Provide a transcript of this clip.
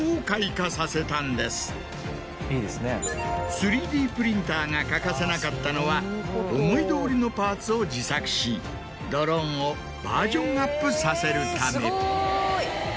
３Ｄプリンターが欠かせなかったのは思いどおりのパーツを自作しドローンをバージョンアップさせるため。